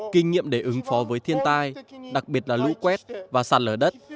kinh nghiệm để ứng phó với thiên tai đặc biệt là lũ quét và sạt lở đất